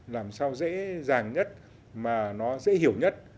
làm sao dễ dàng nhất mà nó dễ hiểu nhất